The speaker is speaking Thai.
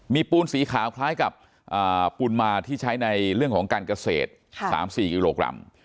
มีปูนสีขาวคล้ายกับปูนมาที่ใช้ในเรื่องของการเกษตร๓๔กิโลกรัม